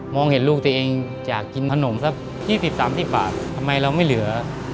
เห็นลูกตัวเองอยากกินขนมสัก๒๐๓๐บาททำไมเราไม่เหลือ